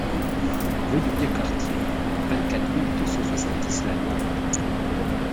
Rue du Vieux Quartier, vingt-quatre mille deux cent soixante-dix Lanouaille